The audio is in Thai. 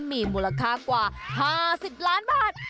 มีมูลค่ากว่า๕๐ล้านบาท